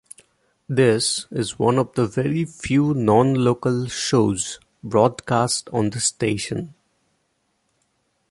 This is one of the very few non-local shows broadcast on the station.